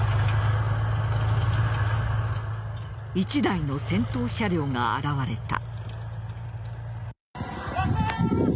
１台の戦闘車両が現れた。